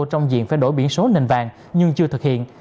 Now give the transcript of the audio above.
trong diện phải đổi biển số nền vàng nhưng chưa thực hiện